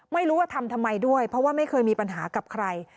ไม่รู้ว่าทำทำไมด้วยเพราะว่าไม่เคยมีปัญหากับใคร